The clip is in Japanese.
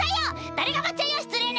誰がばっちゃんよ失礼ね！